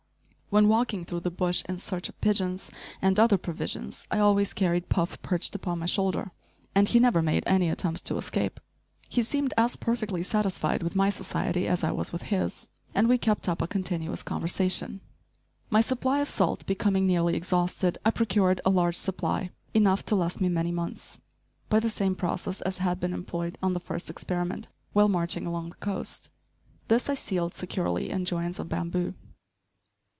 When walking through the bush in search of pigeons and other provisions, I always carried Puff perched upon my shoulder, and he never made any attempt to escape. He seemed as perfectly satisfied with my society as I was with his, and we kept up a continuous conversation. My supply of salt becoming nearly exhausted, I procured a large supply, enough to last me many months, by the same process as had been employed on the first experiment while marching along the coast. This I sealed securely in joints of bamboo.